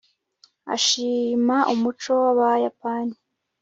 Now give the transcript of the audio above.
ashima umuco w'abayapani